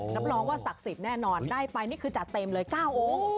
รับรองว่าศักดิ์สิทธิ์แน่นอนได้ไปนี่คือจัดเต็มเลย๙องค์